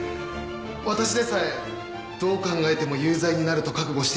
私でさえどう考えても有罪になると覚悟していたのに。